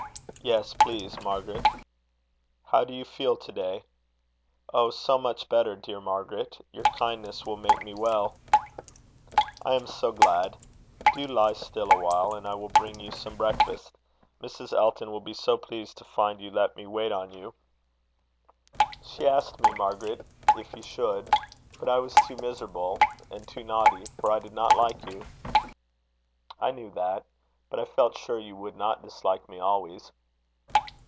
"Yes, please, Margaret." "How do you feel to day?" "Oh, so much better, dear Margaret! Your kindness will make me well." "I am so glad! Do lie still awhile, and I will bring you some breakfast. Mrs. Elton will be so pleased to find you let me wait on you!" "She asked me, Margaret, if you should; but I was too miserable and too naughty, for I did not like you." "I knew that; but I felt sure you would not dislike me always."